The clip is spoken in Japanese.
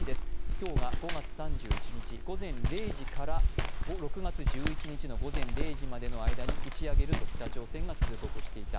今日が５月３１日午前０時から６月１１日の午前０時までに打ち上げると北朝鮮が通告していた。